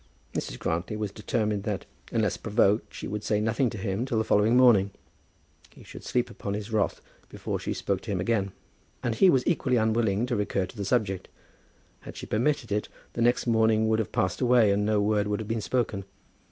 Mrs. Grantly was determined that, unless provoked, she would say nothing to him till the following morning. He should sleep upon his wrath before she spoke to him again. And he was equally unwilling to recur to the subject. Had she permitted it, the next morning would have passed away, and no word would have been spoken.